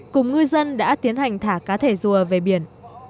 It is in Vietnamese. cùng ngư dân đã tiến hành thả cá thể rùa về biển